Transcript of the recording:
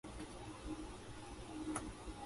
ｓｄｆｋｊｓｆｋｊ